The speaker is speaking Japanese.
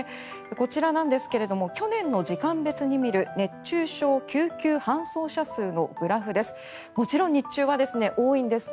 こちらなんですが去年の時間別に見る熱中症救急搬送者数のグラフです。